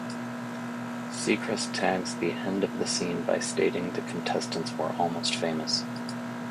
Seacrest tags the end of the scene by stating the contestants were almost famous.